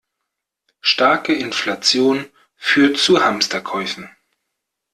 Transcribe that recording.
Starke Inflation führt zu Hamsterkäufen.